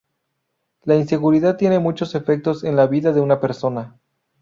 La inseguridad tiene muchos efectos en la vida de una persona.